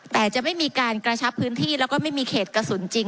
แต่จะไม่มีการกระชับพื้นที่แล้วก็ไม่มีเขตกระสุนจริง